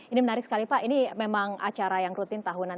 ini menarik sekali pak ini memang acara yang rutin tahunan